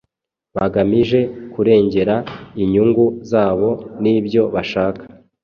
bagamije kurengera inyungu zabo n’ibyo bashaka;